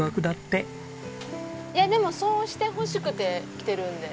いやでもそうしてほしくて来てるんで。